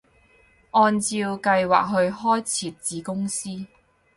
按照計劃去開設子公司